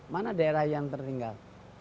mana daerah yang tertinggal